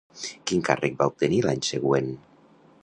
Quin càrrec va obtenir l'any següent?